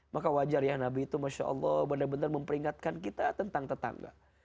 maka wajar ya nabi itu masya allah benar benar memperingatkan kita tentang tetangga